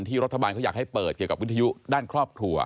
รัฐบาลเขาอยากให้เปิดเกี่ยวกับวิทยุด้านครอบครัว